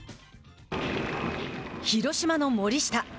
広島の森下。